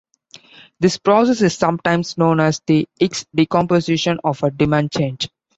This process is sometimes known as the Hicks decomposition of a demand change.